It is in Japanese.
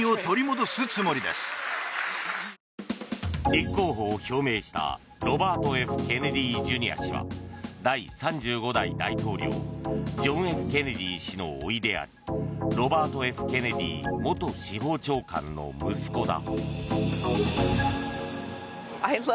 立候補を表明したロバート・ケネディ・ジュニア氏は第３５代大統領ジョン・Ｆ・ケネディ氏のおいでありロバート・Ｆ・ケネディ元司法長官の息子だ。